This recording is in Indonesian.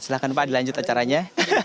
silahkan pak dilanjut acaranya